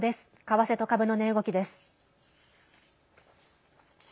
為替と株の値動きです。